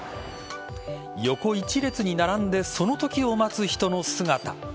横１列に並んでその時を待つ人の姿。